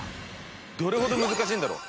どれほど難しいんだろう？